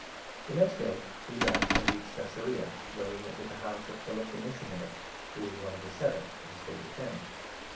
The next day we left, and reached Caesarea, where 8 we went to the house of Philip, the Missionary, who was one of ' the Seven,' and stayed with him.